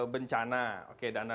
bencana oke dana